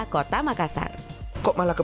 kota makassar kok malah ke